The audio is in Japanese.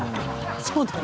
そうだよ。